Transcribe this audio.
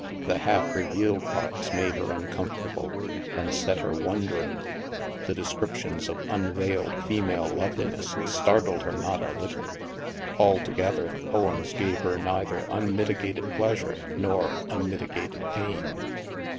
The half re vealed parts made her uncomfortable and set her io6 THE MASK wondering. The descriptions of unveiled female loveliness startled her not a little. Altogether, the poems gave her neither unmitigated pleasure nor unmitigated pain.